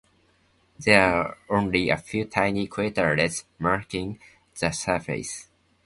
There are only a few tiny craterlets marking the surface.